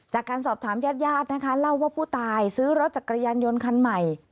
จากการสอบถามญาติญาตินะคะเล่าว่าผู้ตายซื้อรถจักรยานยนต์คันใหม่